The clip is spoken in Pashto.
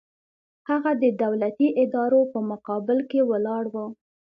هغه د دولتي ادارو په مقابل کې ولاړ و.